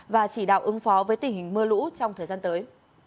và chỉ đạo ứng phó với tình hình mưa lũ trong thời gian tới